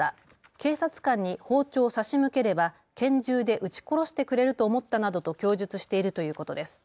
警察官に包丁を差し向ければ拳銃で撃ち殺してくれると思ったなどと供述しているということです。